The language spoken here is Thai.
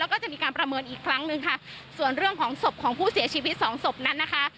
แล้วก็จะมีการประเมินอีกครั้งหนึ่งค่ะส่วนเรื่องของศพของผู้เสียชีวิตสองศพนั้นนะคะ